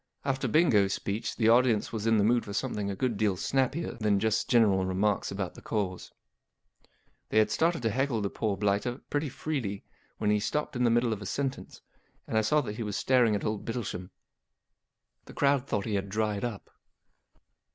After Bingo's speech the audience was in Digitized by LsOOQle the mood lor something a good deal snappier than just general remarks about the Cause, They had started to heckle the poor blighter pretty freely when he stopped in the middle of a sentence, and I saw that lie was staring at old Bittlesham, The crowd thought he had dried up.